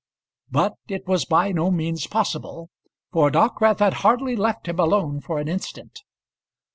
But it was by no means possible, for Dockwrath had hardly left him alone for an instant.